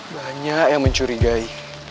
banyak yang mencurigai